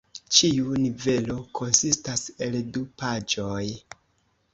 Ĉiu nivelo konsistas el du paĝoj.